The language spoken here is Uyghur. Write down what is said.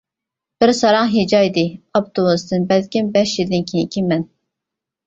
بىر ساراڭ ھىجايدى ئاپتوبۇستىن بەلكىم بەش يىلدىن كېيىنكى مەن.